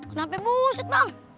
kenapa buset bang